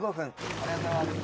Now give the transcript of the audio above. ありがとうございます。